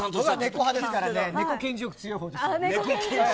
猫派ですから猫顕示欲、強い方です。